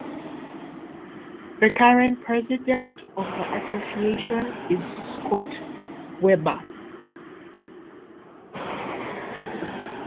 The current president of the association is Scott Weber.